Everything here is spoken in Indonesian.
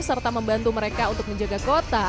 serta membantu mereka untuk menjaga kota